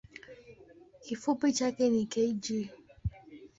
Kifupi chake ni kg.